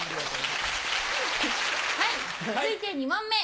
はい続いて２問目。